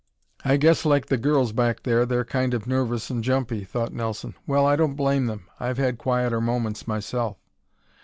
"I guess, like the girls back there, they're kind of nervous and jumpy," thought Nelson. "Well, I don't blame them. I've had quieter moments myself."